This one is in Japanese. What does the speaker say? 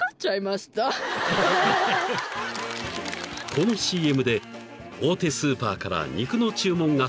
［このＣＭで大手スーパーから肉の注文が殺到！］